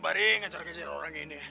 bari ngejar ngejar orang ini